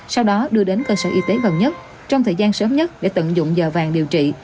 sau đó đưa đến cơ sở y tế gần nhất trong thời gian sớm nhất để tận dụng giờ vàng điều trị